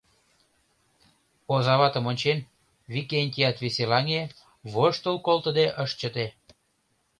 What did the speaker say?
Озаватым ончен, Викентият веселаҥе, воштыл колтыде ыш чыте.